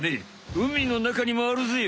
海のなかにもあるぜよ。